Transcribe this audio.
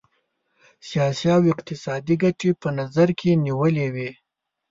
سیاسي او اقتصادي ګټي په نظر کې نیولي وې.